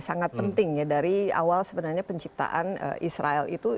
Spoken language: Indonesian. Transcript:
sangat penting ya dari awal sebenarnya penciptaan israel itu